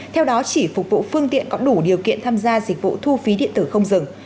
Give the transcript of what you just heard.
theo đó chỉ phục vụ phương tiện có đủ điều kiện tham gia dịch vụ thu phí điện tử không dừng